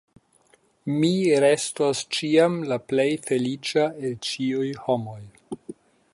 Mi restos ĉiam la plej feliĉa el ĉiuj homoj.